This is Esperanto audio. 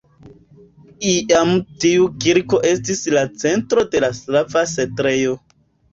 Iam tiu kirko estis la centro de slava setlejo.